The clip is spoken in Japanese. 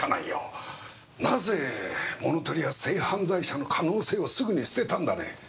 なぜ物盗りや性犯罪者の可能性をすぐに捨てたんだね？